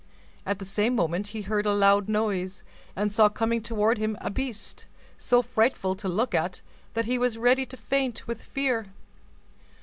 At the same moment he heard a loud noise, and saw coming toward him a beast, so frightful to look at that he was ready to faint with fear.